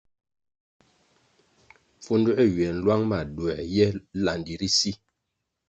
Pfunduē ywiè nlwang ma doē ye landi ri bvuo.